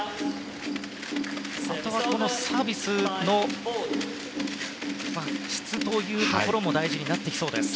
サービスの質というところも大事になってきそうです。